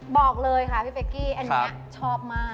บอกเลยค่ะพี่เป๊กกี้อันนี้ชอบมาก